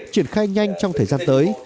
triển khai nhanh trong thời gian tới